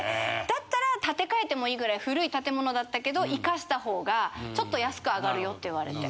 だったら建て替えてもいいぐらい古い建物だったけどいかした方がちょっと安くあがるよって言われて。